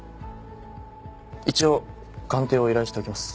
一応鑑定を依頼しておきます。